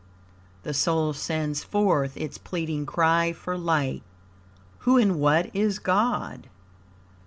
The soul sends forth its pleading cry for light: "Who and what is God?"